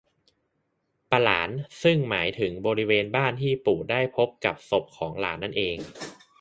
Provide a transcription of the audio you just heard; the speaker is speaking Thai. ปะหลาน ซึ่งหมายถึงบริเวณบ้านที่ปู่นั้นได้พบกับศพของหลานนั่นเอง